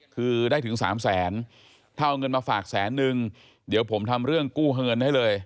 คือได้ถึงสามแสนถ้าเอาเงินมาฝากแสนนึงเดี๋ยวผมทำเรื่องกู้เงินให้เลย